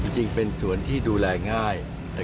จริงเป็นสวนที่ดูแลง่าย